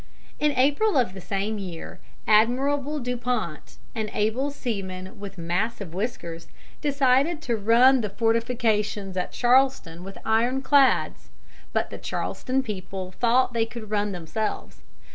In April of the same year Admiral Dupont, an able seaman with massive whiskers, decided to run the fortifications at Charleston with iron clads, but the Charleston people thought they could run them themselves.